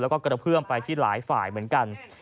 แล้วก็กระเพื่อมไปที่หลายฝ่ายเหมือนกัน